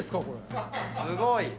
こすごい。